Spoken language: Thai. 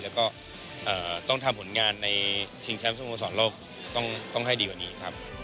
แล้วก็ต้องทำผลงานในชิงแชมป์สโมสรโลกต้องให้ดีกว่านี้ครับ